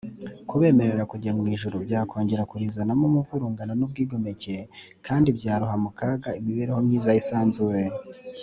kubemerera kujya mu ijuru byakongera kurizanamo umuvurungano n’ubwigomeke kandi byaroha mu kaga imibereho myiza y’isanzure